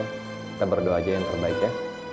kita berdoa aja yang terbaik ya